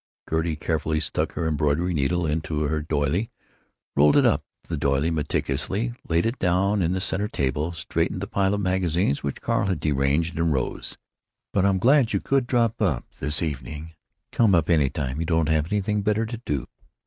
Gertie carefully stuck her embroidery needle into her doily, rolled up the doily meticulously, laid it down on the center table, straightened the pile of magazines which Carl had deranged, and rose. "But I'm glad you could drop up this evening. Come up any time you haven't anything better to do.